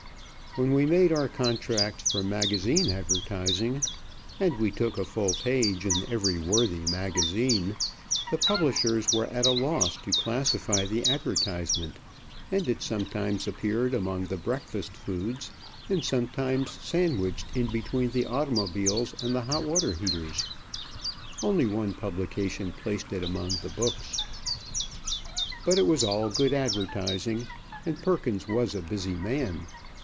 When we made our contracts for magazine advertising, and we took a full page in every worthy magazine, the publishers were at a loss to classify the advertisement; and it sometimes appeared among the breakfast foods, and sometimes sandwiched in between the automobiles and the hot water heaters. Only one publication placed it among the books. But it was all good advertising, and Perkins was a busy man.